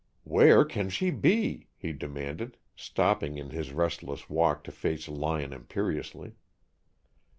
"Where can she be?" he demanded, stopping in his restless walk to face Lyon imperiously.